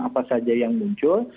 apa saja yang muncul